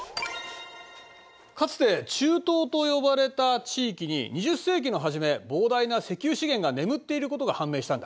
かつて中東と呼ばれた地域に２０世紀の初め膨大な石油資源が眠っていることが判明したんだ。